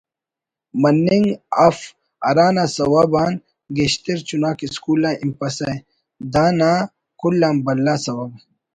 morning if ہرانا سوب آن گیشتر چناک اسکول آ ہنپسہ دانا کل آن بھلا سوب